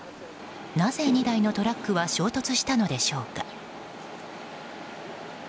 なぜ２台のトラックは衝突したのでしょうか。